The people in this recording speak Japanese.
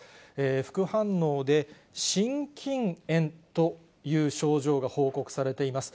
副反応で、心筋炎という症状が報告されています。